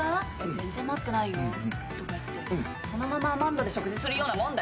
「全然待ってないよ」とか言ってそのままアマンドで食事するようなもんだよ。